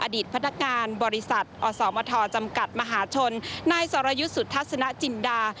อดีตพนักงานบริษัทอสมทจำกัดมหาชนนายสรยุทธ์สุทัศนจินดา